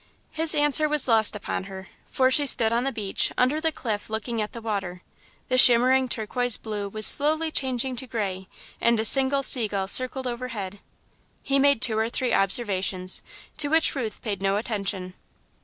His answer was lost upon her, for she stood on the beach, under the cliff, looking at the water. The shimmering turquoise blue was slowly changing to grey, and a single sea gull circled overhead. He made two or three observations, to which Ruth paid no attention.